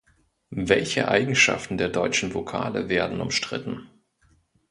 Welche Eigenschaften der deutschen Vokale werden umstritten?